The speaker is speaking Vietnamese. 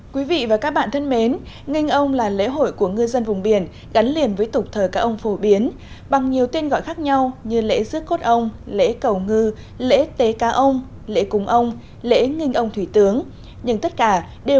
các bạn hãy đăng ký kênh để ủng hộ kênh của chúng mình nhé